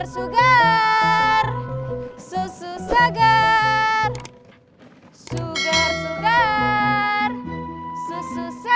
sugar sugar susu segar